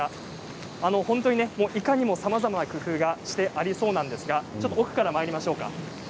本当に、いかにもさまざまな工夫がしてありそうなんですが奥からまいりましょう。